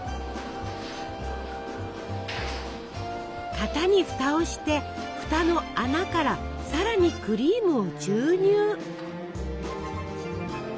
型にふたをしてふたの穴からさらにクリームを注入。